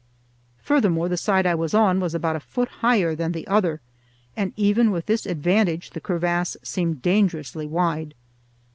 Furthermore, the side I was on was about a foot higher than the other, and even with this advantage the crevasse seemed dangerously wide.